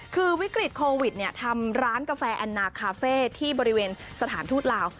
คือวิกฤตโควิดทำร้านกาแฟแอนนาคาเฟ่ที่บริเวณสถานทูตลาว